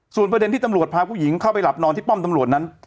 ส่วนประเด็นที่ตำรวจพาผู้หญิงเข้าไปหลับนอนที่ป้อมตำรวจนั้น